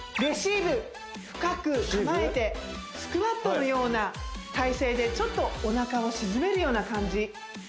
レシーブ深く構えてスクワットのような体勢でちょっとおなかを沈めるような感じ